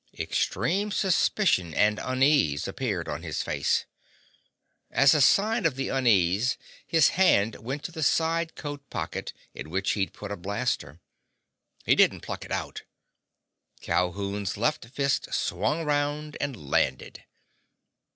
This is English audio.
Extreme suspicion and unease appeared on his face. As a sign of the unease, his hand went to the side coat pocket in which he'd put a blaster. He didn't pluck it out. Calhoun's left fist swung around and landed.